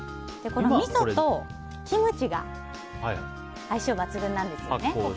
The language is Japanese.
みそとキムチが相性抜群なんですよね。